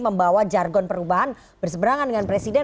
membawa jargon perubahan berseberangan dengan presiden